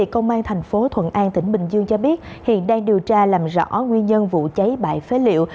công an thành phố thuận an tỉnh bình dương cho biết hiện đang điều tra làm rõ nguyên nhân vụ cháy bãi phế liệu